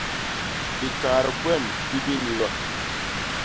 Bikaat gwem bi biniba.